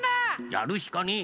やるしかねえ！